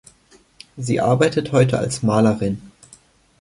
Sie arbeitet heute als Malerin.